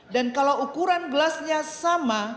dan kalau ukuran gelasnya sama